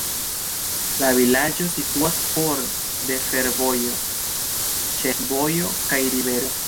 La vilaĝo situas for de fervojo, ĉefvojo kaj rivero.